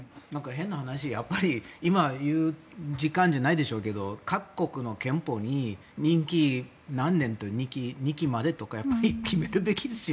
変な話今言う時間じゃないでしょうけど各国の憲法に任期何年とか２期までとかやっぱり決めるべきですよ